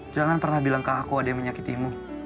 jangan pernah bilang ke aku ada yang menyakitimu